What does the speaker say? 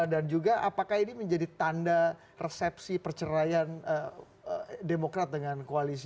dan juga apakah ini menjadi tanda resepsi perceraian